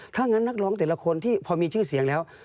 ถ้างั้นนักร้องแต่ละคนที่พอมีชื่อเสียงแล้ว